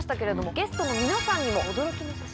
ゲストの皆さんにも驚きの写真